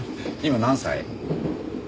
今何歳？